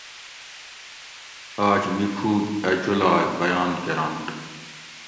آج میڄوک اۤ جولاگ بیان کرنت